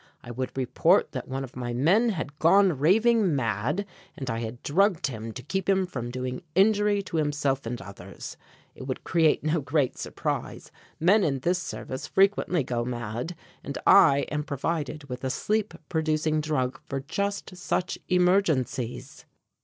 I would report that one of my men had gone raving mad, and I had drugged him to keep him from doing injury to himself and others. It would create no great surprise. Men in this service frequently go mad; and I am provided with a sleep producing drug for just such emergencies."